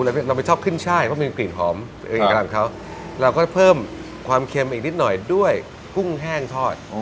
เราไม่ชอบขึ้นช่ายเพราะมันมีกลิ่นหอมเราก็เพิ่มความเค็มอีกนิดหน่อยด้วยกุ้งแห้งทอด